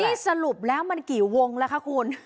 นี่สรุปแล้วมันกี่วงแล้วคะคุณ